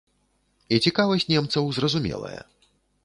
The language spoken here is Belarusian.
І цікавасць немцаў зразумелая.